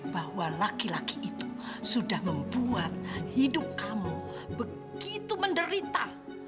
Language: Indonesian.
bahwa laki laki itu sudah membuat hidup kamu begitu menderita